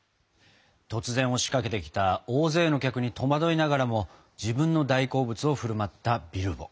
突然押しかけてきた大勢の客に戸惑いながらも自分の大好物を振る舞ったビルボ。